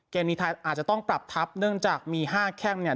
เกมนี้อาจจะต้องปรับทับเนื่องจากมีห้าแข่งเนี่ย